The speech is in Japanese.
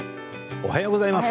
おはようございます。